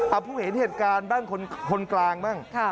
เอาผู้เห็นเหตุการณ์บ้างคนกลางบ้าง